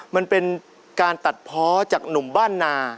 มันเป็นการตัดเพาะจากหนุ่มบ้านนา